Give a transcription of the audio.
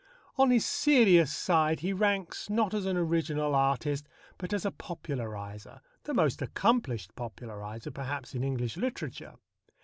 On his serious side he ranks, not as an original artist, but as a popularizer the most accomplished popularizer, perhaps, in English literature.